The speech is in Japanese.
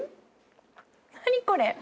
何これ？